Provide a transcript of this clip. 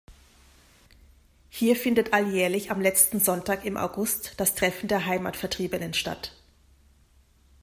Hier findet alljährlich am letzten Sonntag im August das Treffen der Heimatvertriebenen statt.